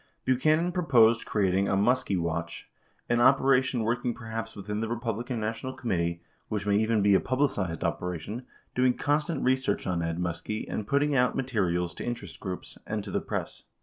Buchanan proposed creating a "Muskie Watch," "an operation working perhaps within the Republican National Committee, which may even be a publicized operation, doing constant research on Ed [Muskie] and putting out materials to interest groups, and to the press."